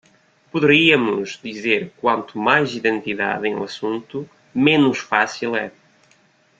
Poderíamos dizer que quanto mais "identidade" é um assunto, menos fácil é.